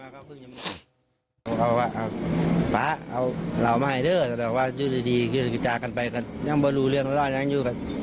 ครับไม่รู้จะพูดอย่างไร